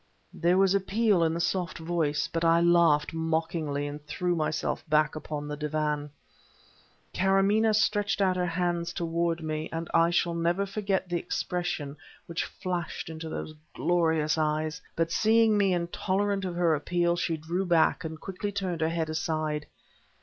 There was appeal in the soft voice, but I laughed mockingly, and threw myself back upon the divan. Karamaneh stretched out her hands toward me, and I shall never forget the expression which flashed into those glorious eyes; but, seeing me intolerant of her appeal, she drew back and quickly turned her head aside.